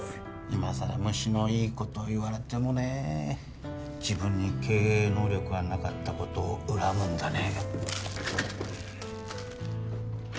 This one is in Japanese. いまさら虫のいいことを言われてもね自分に経営能力がなかったことを恨むんだね